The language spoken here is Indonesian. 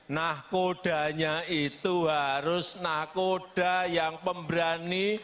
nahkodanya itu harus nahkoda yang pemberani